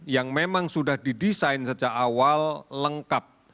yang memang sudah didesain sejak awal lengkap